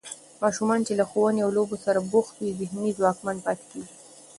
ماشومان چې له ښوونې او لوبو سره بوخت وي، ذهني ځواکمن پاتې کېږي.